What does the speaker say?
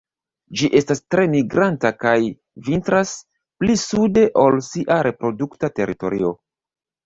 Ĝi estas tre migranta kaj vintras pli sude ol sia reprodukta teritorio.